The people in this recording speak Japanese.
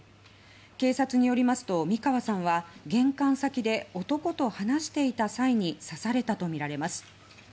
警察によりますと三川さんは玄関先で男と話していた際に刺されたとみられます。